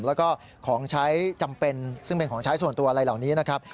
แล้วก็ของใช้จำเป็นซึ่งเป็นของใช้ส่วนตัวอะไรเหล่านี้นะครับ